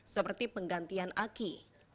seperti penggantian aki